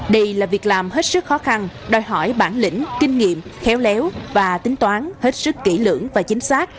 đây là việc làm hết sức khó khăn đòi hỏi bản lĩnh kinh nghiệm khéo léo và tính toán hết sức kỹ lưỡng và chính xác